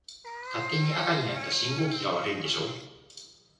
勝手に赤になった信号機が悪いんでしょ。